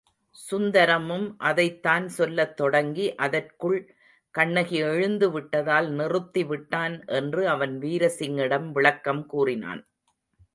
சுந்தரமும் அதைத்தான் சொல்லத் தொடங்கி, அதற்குள் கண்ணகி எழுந்துவிட்டதால் நிறுத்திவிட்டான் என்று அவன் வீர்சிங்கிடம் விளக்கம் கூறினான்.